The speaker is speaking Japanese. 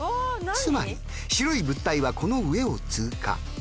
つまり白い物体はこの上を通過。